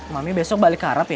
mami besok balik ke arab ya